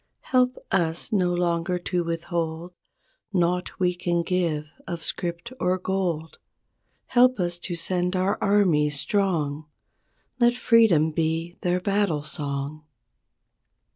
Help us no longer to withhold Naught we can give of script or gold. Help us to send our armies strong— Let Freedom be their battle song.